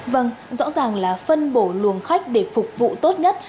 vâng rõ ràng là phân bổ luồng khách để phục vụ tốt nhất